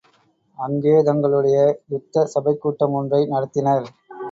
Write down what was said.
அங்கேதங்களுடைய யுத்த சபைக் கூட்டம் ஒன்றை நடத்தினர்.